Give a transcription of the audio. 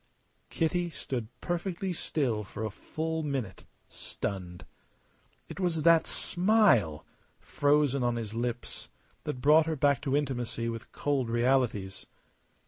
Kitty stood perfectly still for a full minute, stunned. It was that smile frozen on his lips that brought her back to intimacy with cold realities.